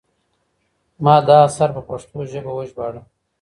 ما دا اثر په پښتو ژبه وژباړه.